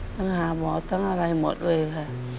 ทั้งหาหมอทั้งอะไรหมดเลยค่ะ